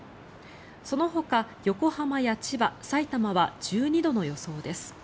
そのほか横浜や千葉、さいたまは１２度の予想です。